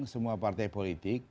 semua partai politik